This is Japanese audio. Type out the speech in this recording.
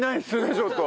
ちょっと。